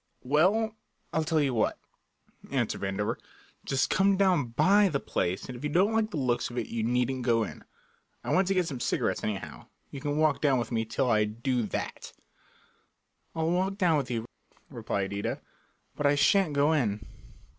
"Well, I tell you what," answered Vandover, "just come down by the place, and if you don't like the looks of it you needn't go in. I want to get some cigarettes, anyhow. You can walk down with me till I do that." "I'll walk down with you," replied Ida, "but I shan't go in."